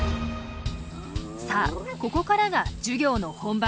さあここからが授業の本番。